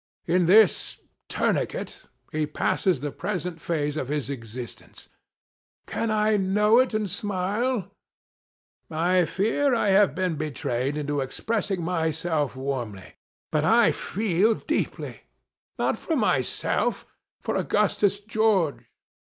In this tourniquet, he passes the present phase of his existence. Can I know it, and smile ! I fear I have been betrayed into expressing myself warmly, but I feel deeply. Not for myself ; for Augustus George.